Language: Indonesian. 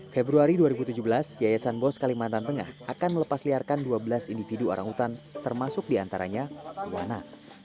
februari dua ribu tujuh belas yayasan bos kalimantan tengah akan melepas liarkan dua belas individu orang hutan termasuk diantaranya iwana